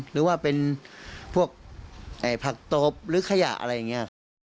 หรือว่าเป็นพวกผักโต๊ปหรือขยะอะไรอย่างเงี้ย